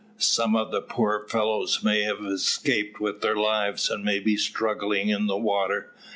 "Some of the poor fellows may have escaped with their lives, and may be struggling in the water.